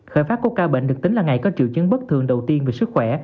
khởi phát của ca bệnh được tính là ngày có triệu chứng bất thường đầu tiên về sức khỏe